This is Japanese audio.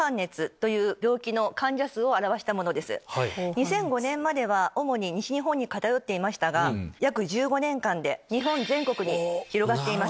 ２００５年までは主に西日本に偏っていましたが約１５年間で日本全国に広がっています。